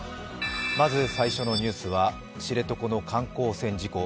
まず最初のニュースは知床の観光船事故。